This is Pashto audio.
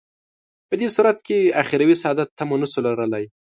په دې صورت کې اخروي سعادت تمه نه شو لرلای.